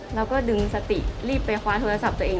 แล้วก็ดึงสติรีบไปคว้าโทรศัพท์ตัวเอง